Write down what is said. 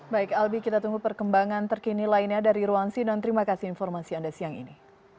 baik albi kita tunggu perkembangan terkini lainnya dari ruansi dan terima kasih informasi anda siang ini